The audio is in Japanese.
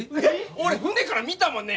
俺船から見たもんね。